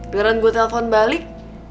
gelaran gue telpon balik